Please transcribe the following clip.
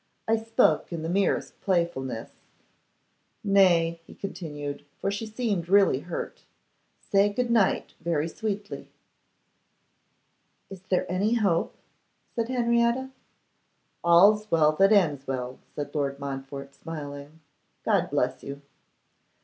I spoke in the merest playfulness. Nay,' he continued, for she seemed really hurt, 'say good night very sweetly.' 'Is there any hope?' said Henrietta. 'All's well that ends well,' said Lord Montfort, smiling; 'God bless you.